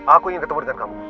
aku ingin ketemu dengan kamu